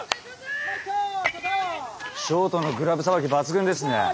ショートのグラブさばき抜群ですね。